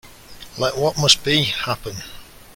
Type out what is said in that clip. Let what must be, happen.